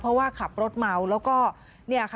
เพราะว่าขับรถเมาแล้วก็เนี่ยค่ะ